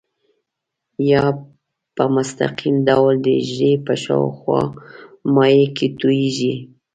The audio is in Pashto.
یا په مستقیم ډول د حجرې په شاوخوا مایع کې تویېږي.